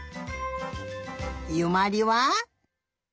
ゆまりは？